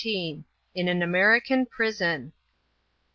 IN AN AMERICAN PRISON.